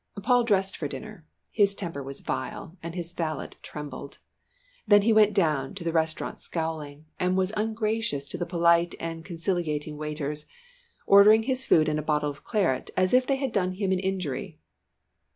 Paul dressed for dinner; his temper was vile, and his valet trembled. Then he went down into the restaurant scowling, and was ungracious to the polite and conciliating waiters, ordering his food and a bottle of claret as if they had done him an injury.